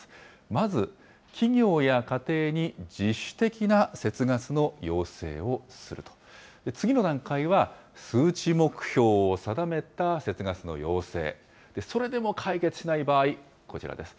まず企業や家庭に自主的な節ガスの要請をすると、次の段階は、数値目標を定めた節ガスの要請、それでも解決しない場合、こちらです。